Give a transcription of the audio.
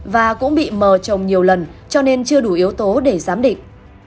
và cũng bị mờ trồng nhiều lần cho nên chưa đủ yếu tố để giám định